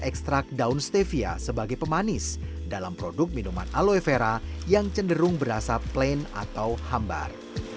ekstrak daun stevia sebagai pemanis dalam produk minuman aloevera yang cenderung berasa plain atau hambar